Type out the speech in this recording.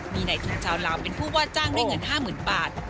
มีนายทุนชาวลาวเป็นผู้ว่าจ้างด้วยเงิน๕๐๐๐บาท